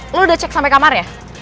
lu udah cek sampe kamarnya